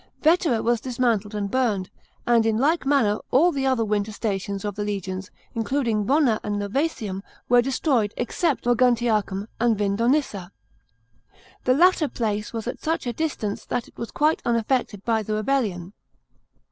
Vetera was dismantled and burned, and in like manner all the other winter stations of the legions, including Bonna and Novsesium, were destroyed except Moguntiacum and Vindonissa. The latter place was at such a distance that it was quite unaffected by the rebellion.